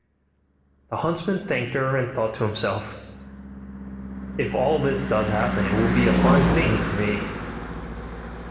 The huntsman thanked her, and thought to himself, 'If all this does happen, it will be a fine thing for me.